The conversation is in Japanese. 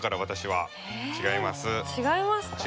違いますか？